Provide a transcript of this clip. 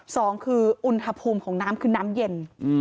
สองคืออุณหภูมิของน้ำคือน้ำเย็น